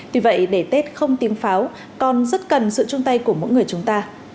tuy vậy để tết không tiếng pháo còn rất cần sự chung tay của mỗi người chúng ta